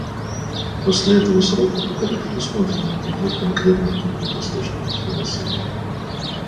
После этого срока пока не предусмотрено никаких конкретных крупных источников финансирования.